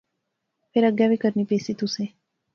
فیر اگے وی کرنا پہسی تسیں